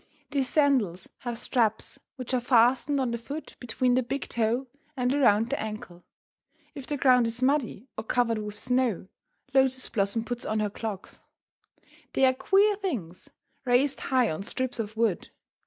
These sandals have straps, which are fastened on the foot between the big toe and around the ankle. If the ground is muddy or covered with snow, Lotus Blossom puts on her clogs. They are queer things, raised high on strips of wood.